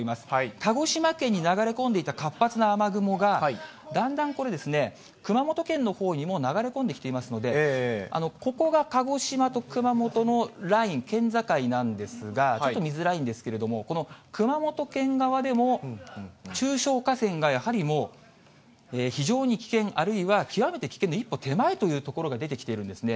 鹿児島県に流れ込んでいた活発な雨雲が、だんだんこれ、熊本県のほうにも流れ込んでいますので、ここが鹿児島と熊本のライン、県境なんですが、ちょっと見づらいんですけれども、この熊本県側でも、中小河川がやはりもう、非常に危険、あるいは極めて危険の一歩手前という所が出てきているんですね。